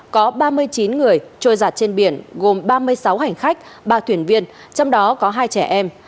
có ba mươi chín người trôi giặt trên biển gồm ba mươi sáu hành khách ba thuyền viên trong đó có hai trẻ em